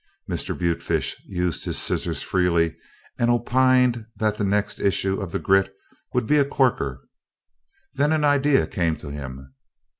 Mr. Butefish used his scissors freely and opined that the next issue of the Grit would be a corker. Then an idea came to him.